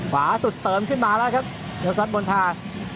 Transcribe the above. ขวาสุดเติมขึ้นมาแล้วครับเดี๋ยวซัดบนทาง